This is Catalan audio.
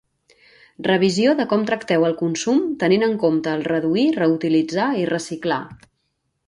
Revisió de com tracteu el consum tenint en compte el Reduir, Reutilitzar i Reciclar.